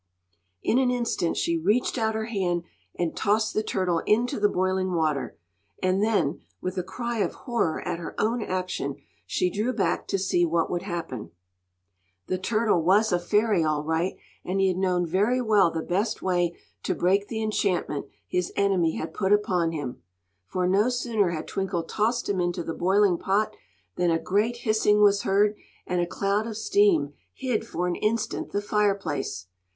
In an instant she reached out her hand and tossed the turtle into the boiling water; and then, with a cry of horror at her own action, she drew back to see what would happen. The turtle was a fairy, all right; and he had known very well the best way to break the enchantment his enemy had put upon him. For no sooner had Twinkle tossed him into the boiling pot than a great hissing was heard, and a cloud of steam hid for an instant the fireplace.